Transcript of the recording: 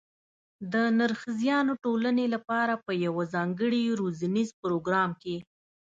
د نرښځیانو ټولنې لپاره په یوه ځانګړي روزنیز پروګرام کې